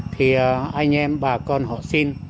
thì anh em bà con họ xin